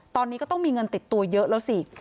ตอนนี้ก็ต้องมีเงินติดตัวเยอะแล้วสิ